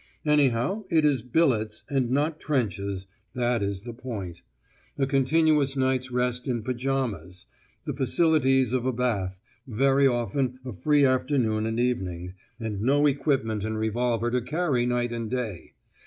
Anyhow it is "billets" and not "trenches," that is the point; a continuous night's rest in pyjamas, the facilities of a bath, very often a free afternoon and evening, and no equipment and revolver to carry night and day!